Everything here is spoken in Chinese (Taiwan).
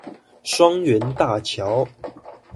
雙園大橋